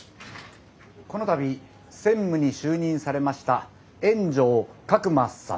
この度専務に就任されました円城格馬さんです。